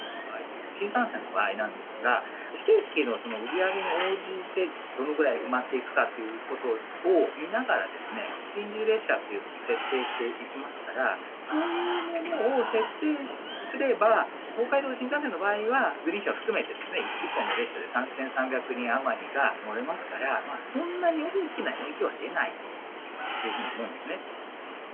新幹線の場合なんですが、指定席の売り上げに応じて、どのぐらい埋まっていくかっていうことを見ながら、臨時列車というのを設定していきますから、そういうものを設定すれば、東海道新幹線の場合は、グリーン車を含めて１本の列車で１３００人余りが乗れますから、そんなに大きな影響は出ないというふうに思うんですね。